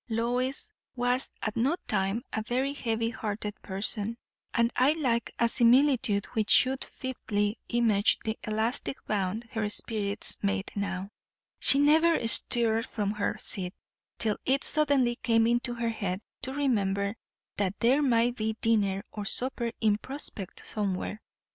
Lois was at no time a very heavy hearted person; and I lack a similitude which should fitly image the elastic bound her spirits made now. She never stirred from her seat, till it suddenly came into her head to remember that there might be dinner or supper in prospect somewhere.